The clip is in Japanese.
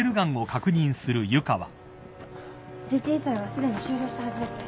地鎮祭はすでに終了したはずです。